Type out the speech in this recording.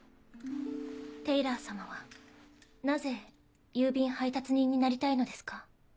テイラー様はなぜ郵便配達人になりたいのですか？